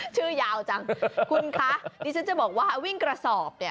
ชื่อยาวจังคุณคะดิฉันจะบอกว่าวิ่งกระสอบเนี่ย